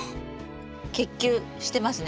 結球してますね。